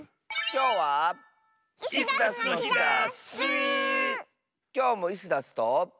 きょうもイスダスと。